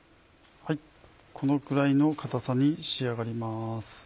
このくらいの固さに仕上がります。